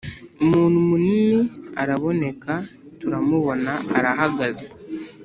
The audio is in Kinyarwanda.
Umuntu munini araboneka turamubona arahagaze.